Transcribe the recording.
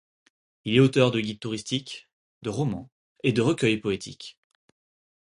Il est auteur de guides touristiques, de romans, et de recueils poétiques.